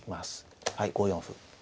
はい５四歩。